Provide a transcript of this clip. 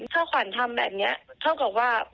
ถ้าขวัญทำแบบนี้เท่ากับว่า